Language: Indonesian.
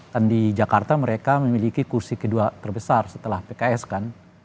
dan di jakarta mereka memiliki kursi kedua terbesar setelah pks kan